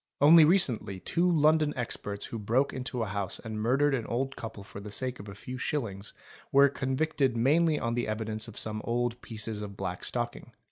Only recently two London experts who broke into a house and | murdered an old couple for the sake of a few shillings were convicted mainly on the evidence of some old pieces | of black stocking.